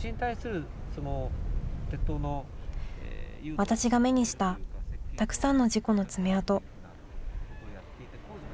私が目にした、たくさんの事故の爪痕。